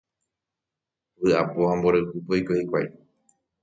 Vy'apo ha mborayhúpe oiko hikuái.